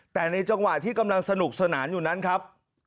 แต่ในจังหวะที่กำลังสนุกสนานอยู่นั้นครับ